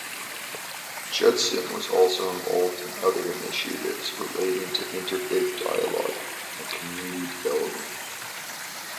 Judson was also involved in other initiatives relating to Interfaith dialogue and Community development.